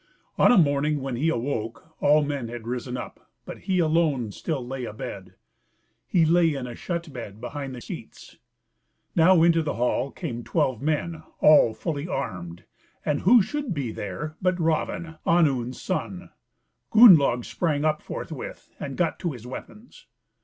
On a morning when he awoke all men had risen up, but he alone still lay abed; he lay in a shut bed behind the seats. Now into the hall came twelve men, all full armed, and who should be there but Raven, Onund's son; Gunnlaug sprang up forthwith, and got to his weapons.